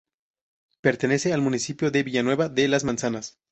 Pertenece al municipio de Villanueva de las Manzanas.